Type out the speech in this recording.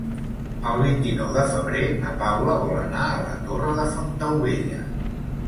El vint-i-nou de febrer na Paula vol anar a la Torre de Fontaubella.